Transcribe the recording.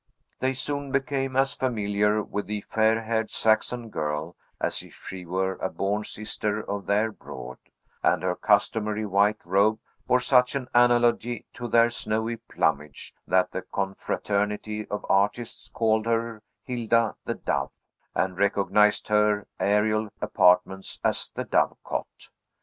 They soon became as familiar with the fair haired Saxon girl as if she were a born sister of their brood; and her customary white robe bore such an analogy to their snowy plumage that the confraternity of artists called Hilda the Dove, and recognized her aerial apartment as the Dovecote.